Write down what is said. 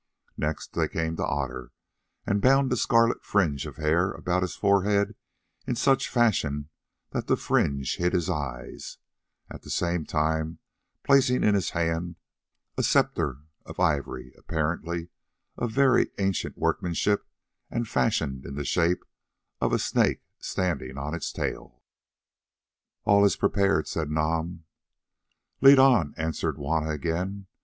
Next they came to Otter and bound a scarlet fringe of hair about his forehead in such fashion that the fringe hid his eyes, at the same time placing in his hand a sceptre of ivory, apparently of very ancient workmanship, and fashioned in the shape of a snake standing on its tail. "All is prepared," said Nam. "Lead on," answered Juanna again.